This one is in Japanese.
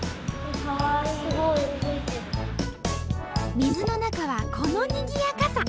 水の中はこのにぎやかさ。